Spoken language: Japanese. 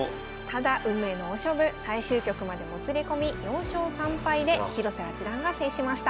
ただ運命の大勝負最終局までもつれ込み４勝３敗で広瀬八段が制しました。